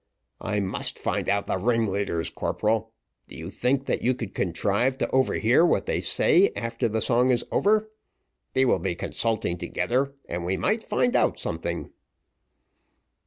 "I must find out the ringleaders, corporal; do you think that you could contrive to overhear what they say after the song is over? they will be consulting together, and we might find out something."